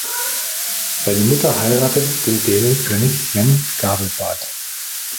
Seine Mutter heiratete den Dänenkönig Sven Gabelbart.